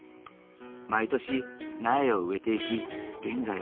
毎年苗を植えていき現在